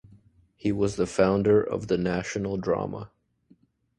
He was the founder of the national drama.